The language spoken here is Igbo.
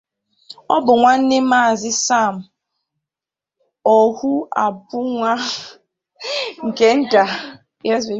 Ọ bụ nwanne Mazi Sam Ohuabunwa nke nta.